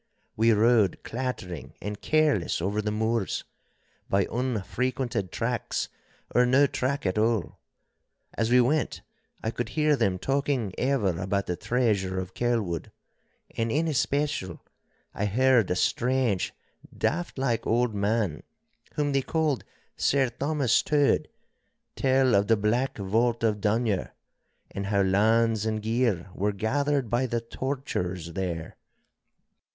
We rode clattering and careless over the moors, by unfrequented tracks or no track at all. As we went I could hear them talking ever about the treasure of Kelwood, and, in especial, I heard a strange, daftlike old man, whom they called Sir Thomas Tode, tell of the Black Vault of Dunure, and how lands and gear were gathered by the tortures there.